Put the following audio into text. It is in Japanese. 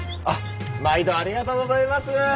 あっ毎度ありがとうございます。